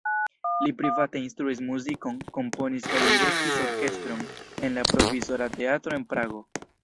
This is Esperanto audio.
Li private instruis muzikon, komponis kaj direktis orkestron en la Provizora Teatro en Prago.